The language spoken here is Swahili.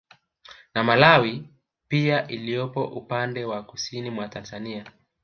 Na malawi pia iliyopo upande wa Kusini mwa Tanzania